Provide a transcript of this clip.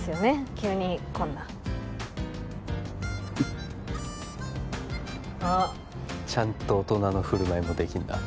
急にこんなあっちゃんと大人の振る舞いもできんだ